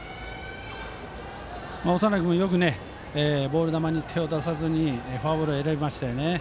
長内君もよくボール球に手を出さずフォアボールを選びましたね。